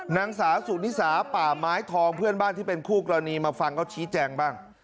นางสาวสุนิสาป่าไม้ทองเพื่อนบ้านที่เป็นคู่กรณีมาฟังเขาชี้แจงบ้าง